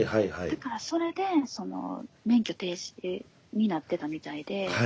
だからそれで免許停止になってたみたいで。